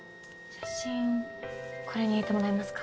写真これに入れてもらえますか？